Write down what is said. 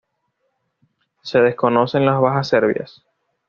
Se desconocen las bajas serbias.